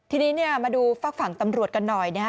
ทีนี้เนี่ยมาดูฟักฝังตำรวจกันหน่อยนะ